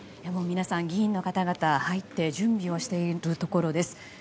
皆さん、議員の方々が入って準備をしているところです。